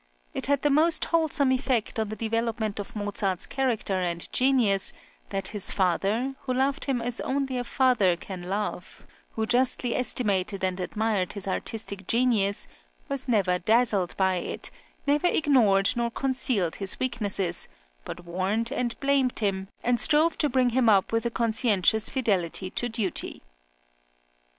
It had the most wholesome effect on the development of Mozart's character and genius that his father, who loved him as only a father can love, who justly estimated and admired his artistic genius, was never dazzled by it, never ignored nor concealed his weaknesses, but warned and blamed him, and strove to bring him up with a conscientious fidelity to duty.